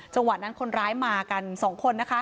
จังหวะนั้นคนร้ายมากัน๒คนนะคะ